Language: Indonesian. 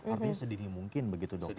artinya sedini mungkin begitu dokter